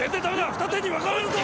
二手に分かれるぞ！